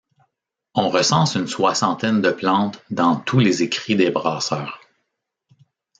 On recense une soixantaine de plantes dans tous les écrits des brasseurs.